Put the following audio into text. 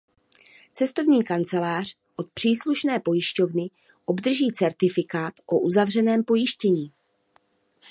Cestovní kancelář od příslušné pojišťovny obdrží certifikát o uzavřeném pojištění.